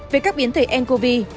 về các biến thể ncov